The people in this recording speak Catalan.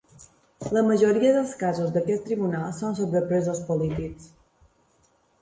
La majora dels casos d'aquests tribunals són sobre presos polítics.